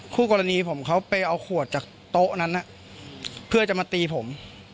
คู่กรณีผมเขาไปเอาขวดจากโต๊ะนั้นเพื่อจะมาตีผม